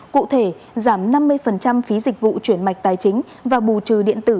cụ thể giảm năm mươi phí dịch vụ chuyển mạch tài chính và bù trừ điện tử